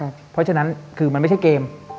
เพราะฉะนั้นคือมันไม่ใช่เกม